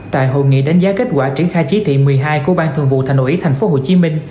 tại hội nghị đánh giá kết quả triển khai chỉ thị một mươi hai của ban thường vụ thành ủy tp hcm